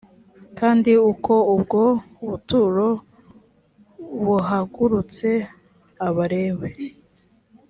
kandi uko ubwo buturo buhagurutse abalewi